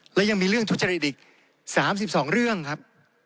และยังมีเรื่องทุจริตอีก๓๒เรื่องครับ